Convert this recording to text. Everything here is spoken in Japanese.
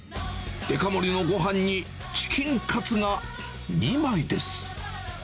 デカ盛りのごはんにチキンカツが２枚です。